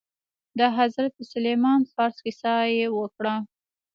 د حضرت سلمان فارس كيسه يې وكړه.